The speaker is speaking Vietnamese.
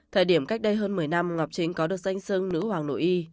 thời điểm cách đây hơn một mươi năm ngọc trinh có được danh sưng nữ hoàng nội y